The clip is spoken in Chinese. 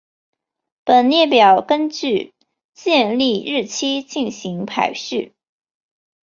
本列表根据建立日期进行排序。